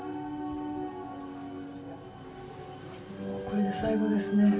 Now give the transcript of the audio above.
これで最後ですね。